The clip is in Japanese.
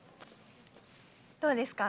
どうですか？